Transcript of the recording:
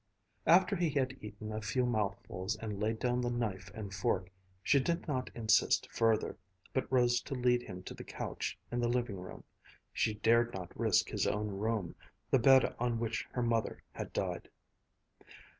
After he had eaten a few mouthfuls and laid down the knife and fork, she did not insist further, but rose to lead him to the couch in the living room. She dared not risk his own room, the bed on which her mother had died.